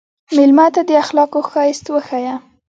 مېلمه ته د اخلاقو ښایست وښیه.